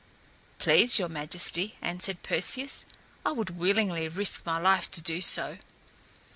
"Please, your Majesty," answered Perseus, "I would willingly risk my life to do so."